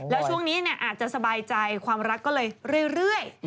แล้วช่วงนี้อาจจะสบายใจความรักก็เลยเรื่อย